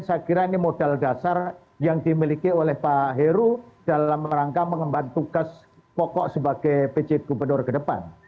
saya kira ini modal dasar yang dimiliki oleh pak heru dalam rangka mengemban tugas pokok sebagai pj gubernur ke depan